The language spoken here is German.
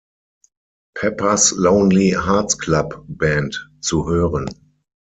Pepper’s Lonely Hearts Club Band" zu hören.